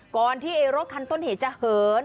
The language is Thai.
ก่อนที่รถคันต้นเหตุจะเหิน